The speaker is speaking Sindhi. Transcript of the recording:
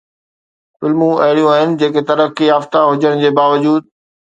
فلمون اهڙيون آهن جيڪي ترقي يافته هجڻ جي باوجود